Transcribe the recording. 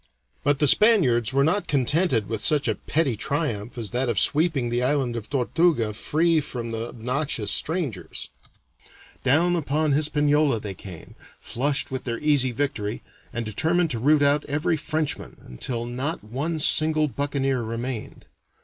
But the Spaniards were not contented with such a petty triumph as that of sweeping the island of Tortuga free from the obnoxious strangers; down upon Hispaniola they came, flushed with their easy victory, and determined to root out every Frenchman, until not one single buccaneer remained.